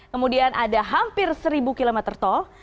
kemudian ada hampir seribu kilometer tol